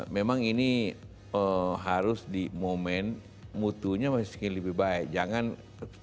memang ini harus di momen mutunya masih lebih baik